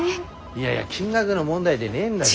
いやいや金額の問題でねえんだでば。